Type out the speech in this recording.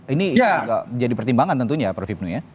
ini menjadi pertimbangan tentunya prof ibnul